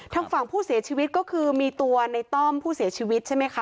ทางฝั่งผู้เสียชีวิตก็คือมีตัวในต้อมผู้เสียชีวิตใช่ไหมคะ